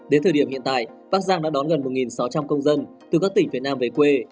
đến thời điểm hiện tại bắc giang đã đón gần một sáu trăm linh công dân từ các tỉnh việt nam về quê